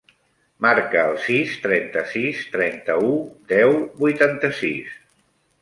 Marca el sis, trenta-sis, trenta-u, deu, vuitanta-sis.